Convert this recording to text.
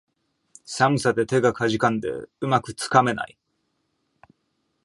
寒さで手がかじかんで、うまくつかめない